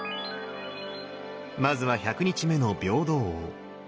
まずは１００日目の平等王。